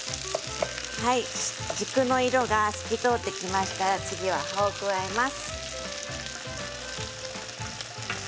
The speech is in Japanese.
軸の色が透き通ってきましたら次は葉を加えます。